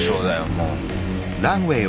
もう。